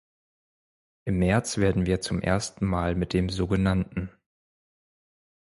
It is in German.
Im März werden wir zum ersten Mal mit dem sog.